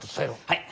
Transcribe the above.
はい。